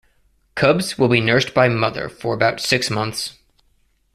Cubs will be nursed by mother for about six months.